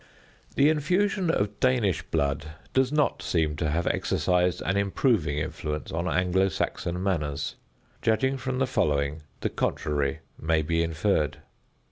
The infusion of Danish blood does not seem to have exercised an improving influence on Anglo Saxon manners. Judging from the following, the contrary may be inferred.